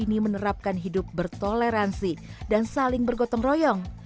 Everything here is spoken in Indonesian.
ini menerapkan hidup bertoleransi dan saling bergotong royong